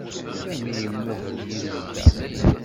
Sami imuhel yid-nteɣ.